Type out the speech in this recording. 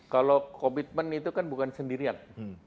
kalau komitmen itu kan bukan sendirian